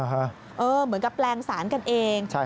เหมือนกับแปลงสารกันเอง